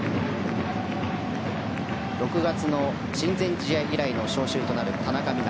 ６月の親善試合以来の招集となる田中美南。